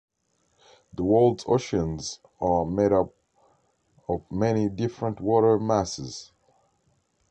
The world's oceans are made up of many different water masses.